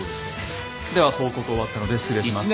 では報告終わったので失礼します。